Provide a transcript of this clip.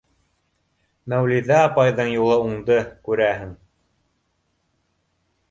Мәүлиҙә апайҙың юлы уңды, күрәһең.